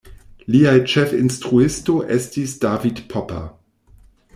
Liaj ĉefinstruisto estis David Popper.